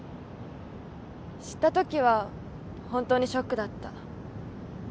知ったときは本当にショックだった。